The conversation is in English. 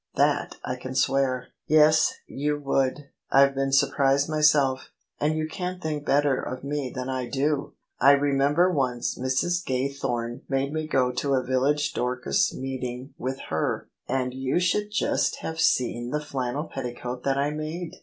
That I can swear! " "Yes, you would: I've been surprised myself, and you can't think better of me than I do! I remember once Mrs. Gaythorne made me go to a village Dorcas meeting with her, and you should just have seen the flannel petticoat that I made